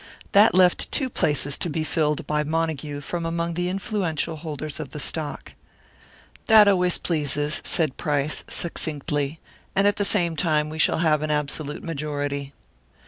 That left two places to be filled by Montague from among the influential holders of the stock. "That always pleases," said Price, succinctly, "and at the same time we shall have an absolute majority."